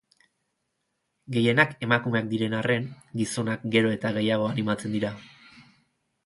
Gehienak emakumeak diren arren, gizonak gero eta gehiago animatzen dira.